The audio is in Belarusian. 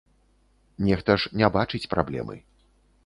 Нехта ж не бачыць праблемы.